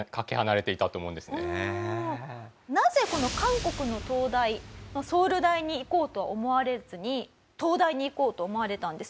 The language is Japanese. なぜこの韓国の東大ソウル大に行こうとは思われずに東大に行こうと思われたんですか？